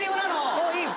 もういい。